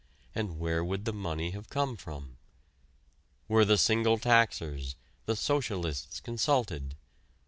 And where would the money have come from? Were the single taxers, the Socialists consulted?